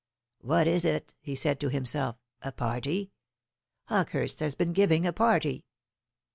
"What is it?" he said to himself "a party! Hawkehurst has been giving a party."